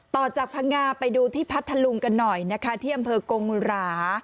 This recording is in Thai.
ต่อจากพังงาไปดูที่พัทธลุงกันหน่อยนะคะที่อำเภอกงหรา